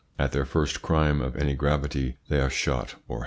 At their first crime of any gravity they are shot or hanged.